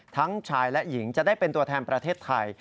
ทั้งชายและหญิงจะได้เป็นตัวแทนประเทศไทย